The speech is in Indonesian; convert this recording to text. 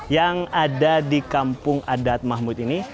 yang ada di kampung adat mahmud ini